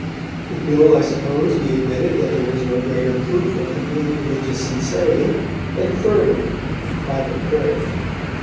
It will, I suppose, be admitted that there is no greater proof of complete religious sincerity than fervour in private prayer.